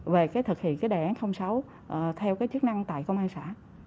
về thực hiện đề án sáu theo chức năng tại công an xã